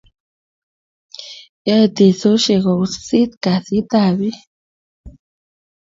Yaoe teksoshiek ko wisisit kasit ab bik